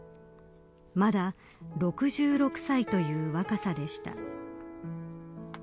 まだ６６歳という若さでした。